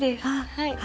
はい。